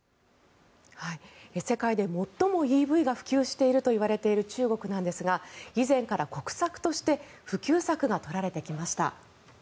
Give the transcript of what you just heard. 世界で最もＥＶが普及しているともいわれている中国なんですが以前から国策として普及策が取られてきました。